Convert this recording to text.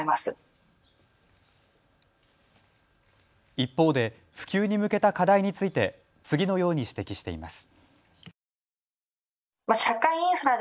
一方で普及に向けた課題について次のように指摘しています。